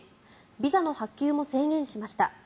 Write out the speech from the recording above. ビザの発給も制限しました。